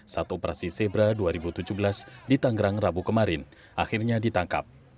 saat operasi zebra dua ribu tujuh belas di tanggerang rabu kemarin akhirnya ditangkap